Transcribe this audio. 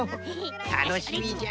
たのしみじゃ。